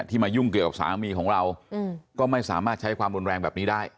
มายุ่งเกี่ยวกับสามีของเราก็ไม่สามารถใช้ความรุนแรงแบบนี้ได้